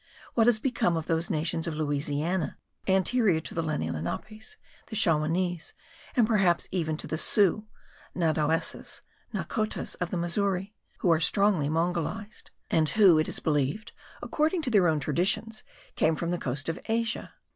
What is become of those nations of Louisiana anterior to the Lenni Lenapes, the Shawanese, and perhaps even to the Sioux (Nadowesses, Nahcotas) of the Missouri, who are strongly mongolised; and who, it is believed, according to their own traditions, came from the coast of Asia?